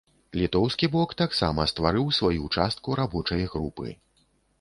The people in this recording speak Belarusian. Літоўскі бок таксама стварыў сваю частку рабочай групы.